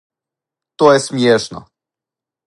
То је смијешно.